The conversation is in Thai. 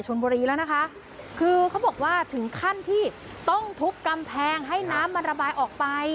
ให้น้ำมันระบายออกไป